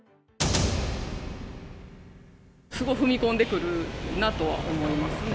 すごい踏み込んでくるなとは思いますね。